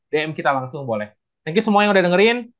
dm kita langsung boleh thank you semua yang udah dengerin